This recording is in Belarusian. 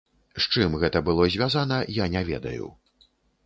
З чым гэта было звязана, я не ведаю.